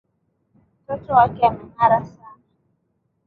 Mtoto wake ameng'ara sana.